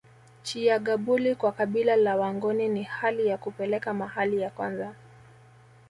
Chiyagabuli kwa kabila la wangoni ni hali ya kupeleka mahali ya kwanza